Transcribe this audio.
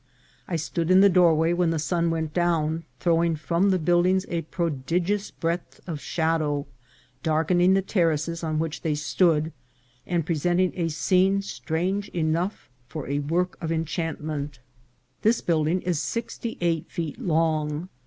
I stood in the doorway when the sun went down, throwing from the buildings a prodigious breadth of shadow, darkening the terraces on which they stood, and presenting a scene strange enough for a work of enchantment. This building is sixty eight feet long.